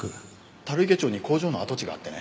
樽池町に工場の跡地があってね。